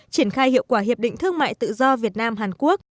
triển khai hiệu quả hiệp định thương mại tự do việt nam hàn quốc